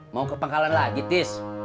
mau ke pangkalan lagi tis